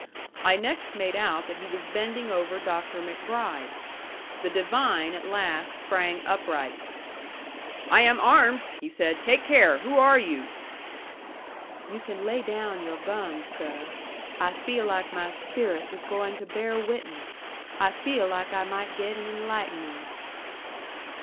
I next made out that he was bending over Dr. MacBride. The divine at last sprang upright. "I am armed," he said. "Take care. Who are you?" "You can lay down your gun, seh. I feel like my spirit was going to bear witness. I feel like I might get an enlightening."